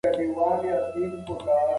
ځینې خلک درناوی نه کوي.